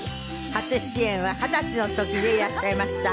初出演は二十歳の時でいらっしゃいました。